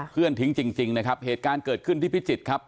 ทิ้งจริงนะครับเหตุการณ์เกิดขึ้นที่พิจิตรครับ